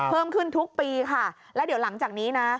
เพิ่มขึ้นทุกปีค่ะแล้วเดี๋ยวหลังจากนี้นะ